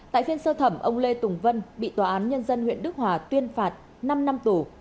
tại phiên sơ thẩm ông lê tùng vân bị tòa án nhân dân huyện đức hòa tuyên phạt năm năm tù